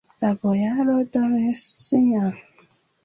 La bojaro donis signon.